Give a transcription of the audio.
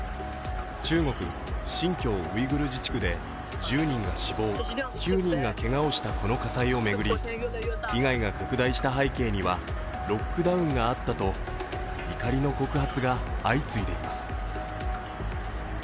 中国・新疆ウイグル自治区で１０人が死亡、９人がけがをしたこの火災を巡り被害が拡大した背景にはロックダウンがあったと怒りの告発が相次いでいます。